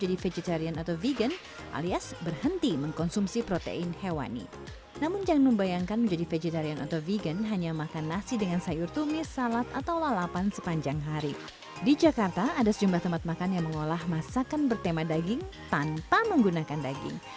di jakarta ada sejumlah tempat makan yang mengolah masakan bertema daging tanpa menggunakan daging